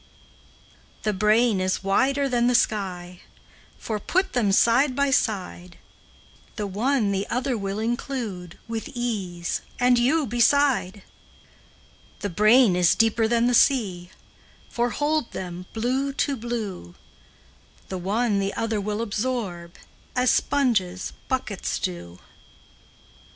The brain is wider than the sky, For, put them side by side, The one the other will include With ease, and you beside. The brain is deeper than the sea, For, hold them, blue to blue, The one the other will absorb, As sponges, buckets do.